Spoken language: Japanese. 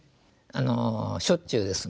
あのしょっちゅうですね。